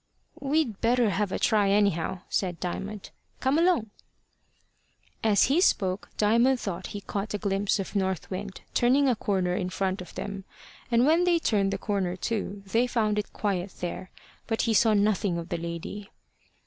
"We'd better have a try anyhow," said Diamond. "Come along." As he spoke Diamond thought he caught a glimpse of North Wind turning a corner in front of them; and when they turned the corner too, they found it quiet there, but he saw nothing of the lady.